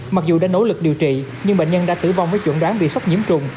mặc dù đã nỗ lực điều trị nhưng bệnh nhân đã tử vong với chuẩn đoán vì sốc nhiễm trùng